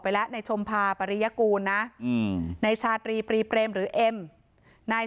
ละในชมพาปริยกูลนะอืมในชาตรีปรีเปรมหรือเอ็มนาย